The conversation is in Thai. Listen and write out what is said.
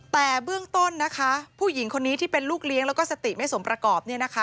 แต่เบื้องต้นนะคะผู้หญิงที่เป็นลูกเลี้ยงแล้วก็สติไม่สมประกอบเนี่ยนะคะ